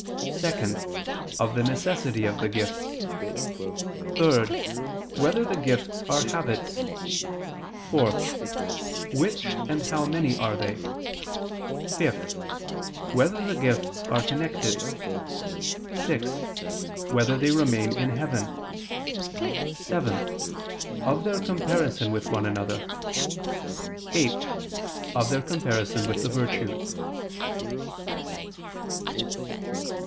(2) Of the necessity of the Gifts? (3) Whether the Gifts are habits? (4) Which, and how many are they? (5) Whether the Gifts are connected? (6) Whether they remain in heaven? (7) Of their comparison with one another; (8) Of their comparison with the virtues.